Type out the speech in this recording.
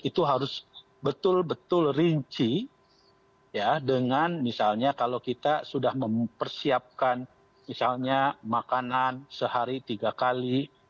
itu harus betul betul rinci dengan misalnya kalau kita sudah mempersiapkan misalnya makanan sehari tiga kali